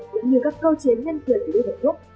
cũng như các cơ chế nhân quyền của liên hợp quốc